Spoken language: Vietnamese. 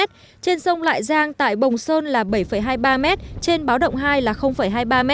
trên sông lại giang tại bồng sơn là bảy hai mươi ba m trên báo động hai là hai mươi ba m